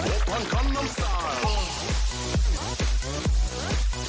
โว๊ปพันธุ์คันดำสไตล์